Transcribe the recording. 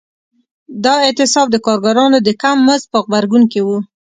دا اعتصاب د کارګرانو د کم مزد په غبرګون کې و.